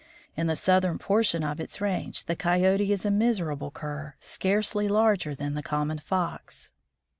In the southern portion of its range, the Coyote is a miserable cur, scarcely larger than the common Fox.